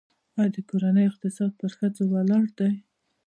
آیا د کورنۍ اقتصاد پر ښځو ولاړ دی؟